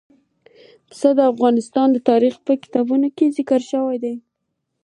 پسه د افغان تاریخ په کتابونو کې ذکر شوي دي.